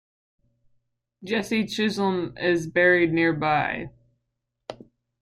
Jesse Chisholm is buried nearby.